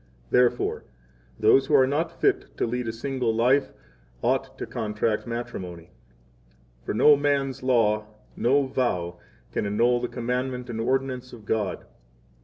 ] Therefore, 7 those who are not fit to lead a single life ought to 8 contract matrimony. For no man's law, no vow, can annul the commandment and ordinance of God.